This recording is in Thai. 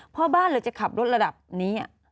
พ่อบ้านเราจะขับรถระดับนี้